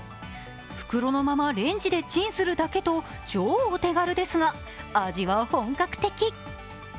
袋のままレンジでチンするだけと超お手軽ですが、味は本格的。